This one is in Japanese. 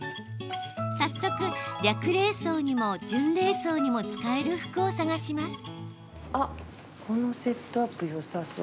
早速、略礼装にも準礼装にも使える服を探します。